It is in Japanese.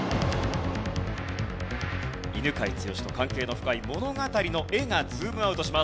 犬養毅と関係の深い物語の絵がズームアウトします。